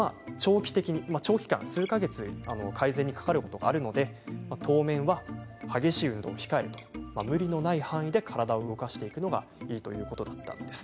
長期間、数か月改善にかかることがあるので当面は激しい運動は控え無理のない範囲で体を動かすのがいいということでした。